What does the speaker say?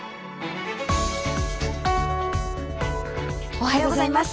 おはようございます。